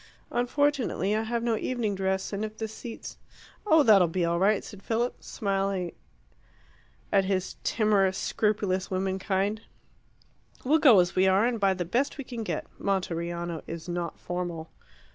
"Unfortunately I have no evening dress; and if the seats " "Oh, that'll be all right," said Philip, smiling at his timorous, scrupulous women kind. "We'll go as we are, and buy the best we can get. Monteriano is not formal."